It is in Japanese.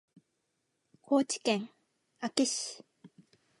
高知県安芸市